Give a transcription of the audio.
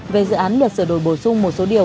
về dự án luật sửa đổi bổ sung một số điều